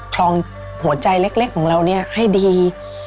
คลองหัวใจเล็กของเราให้ดี